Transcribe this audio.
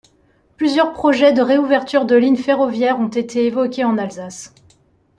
Plusieurs projets de réouverture de lignes ferroviaires ont été évoqués en Alsace.